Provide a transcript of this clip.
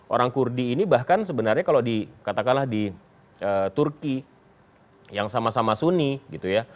orang kurdi ini bahkan sebenarnya kalau dikatakanlah di turki yang sama sama suni gitu ya